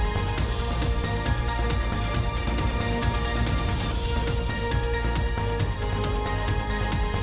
โปรดติดตามตอนต่อไป